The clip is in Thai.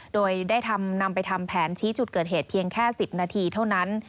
โดยได้นำไปทำแผนชี้จุดเกิดเหตุเพียงแค่๑๐นาทีเท่านั้น